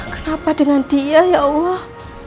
kenapa dengan dia ya allah